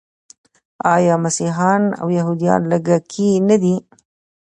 آیا مسیحیان او یهودان لږکي نه دي؟